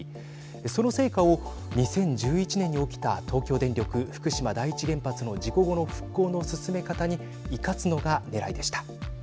その成果を２０１１年に起きた東京電力福島第一原発の事故後の復興の進め方に生かすのがねらいでした。